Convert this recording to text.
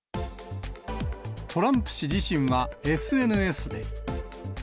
トランプ氏自身はＳＮＳで。